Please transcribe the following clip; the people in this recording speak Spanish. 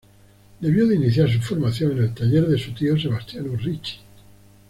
Debió de iniciar su formación en el taller de su tío, Sebastiano Ricci.